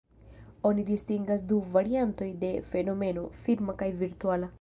Oni distingas du variantoj de fenomeno: firma kaj virtuala.